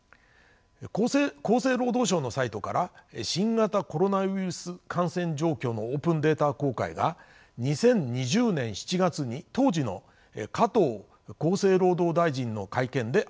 厚生労働省のサイトから新型コロナウイルス感染状況のオープンデータ公開が２０２０年７月に当時の加藤厚生労働大臣の会見で発表されました。